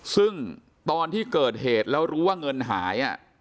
ซึ่งตอนที่เกิดเหตุแล้วรู้ว่าเงินหาย